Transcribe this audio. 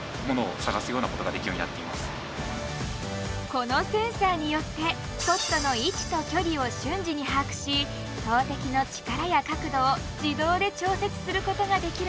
このセンサーによってポットの位置と距離を瞬時に把握し投てきの力や角度を自動で調節することができるんです。